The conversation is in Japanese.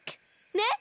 ねっ？